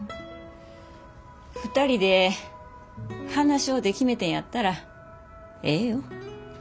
２人で話し合うて決めてんやったらええよ。